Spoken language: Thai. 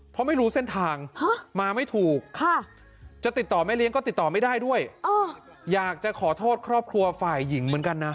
เพราะไม่รู้เส้นทางมาไม่ถูกจะติดต่อแม่เลี้ยงก็ติดต่อไม่ได้ด้วยอยากจะขอโทษครอบครัวฝ่ายหญิงเหมือนกันนะ